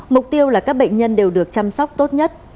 mục tiêu là các bệnh nhân đều được chăm sóc tốt nhất